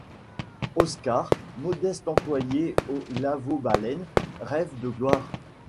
Oscar, modeste employé au LavO'Baleine, rêve de gloire.